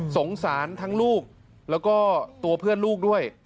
สงสารทั้งลูกแล้วก็ตัวเพื่อนลูกด้วย